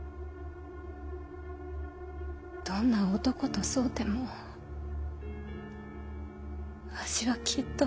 どんな男と添うてもわしはきっとはらめまい。